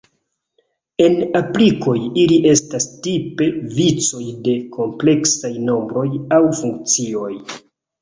En aplikoj, ili estas tipe vicoj de kompleksaj nombroj aŭ funkcioj.